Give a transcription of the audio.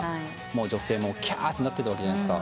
女性もキャーってなってるわけじゃないですか。